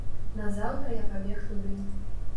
Назаўтра я пабег туды.